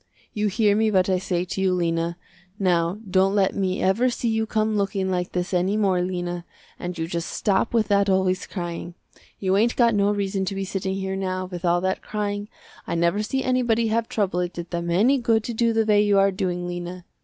You hear me what I say to you Lena. Now don't let me ever see you come looking like this any more Lena, and you just stop with that always crying. You ain't got no reason to be sitting there now with all that crying, I never see anybody have trouble it did them any good to do the way you are doing, Lena.